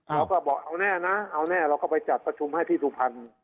เราก็บอกเอาแน่นะเอาแน่เราก็ไปจัดประชุมให้ที่สุพรรณ